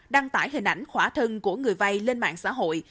đăng tải hình ảnh khỏa thân của người vay lên mạng xã hội